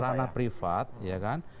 rana privat ya kan